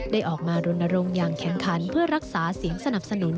ได้ออกมารณรงค์อย่างแข่งขันเพื่อรักษาเสียงสนับสนุน